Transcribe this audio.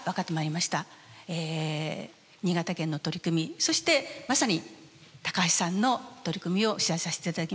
新潟県の取り組みそしてまさに橋さんの取り組みを取材させていただきました。